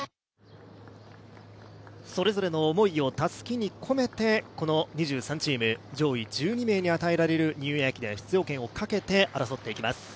それぞれの思いをたすきに込めてこの２３チーム、上位１２名に与えられるニューイヤー駅伝出場権をかけて争っていきます。